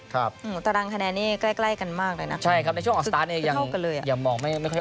ดูตารางคะแนนนี่ใกล้เรื่องใกล้กันมากเลยนะ